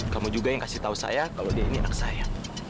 kamu juga yang kasih tahu saya kalau dia ini anak saya